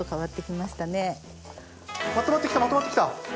まとまって来たまとまって来た！